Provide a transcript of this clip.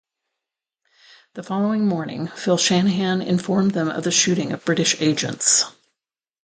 The following morning, Phil Shanahan informed them of the shooting of British agents.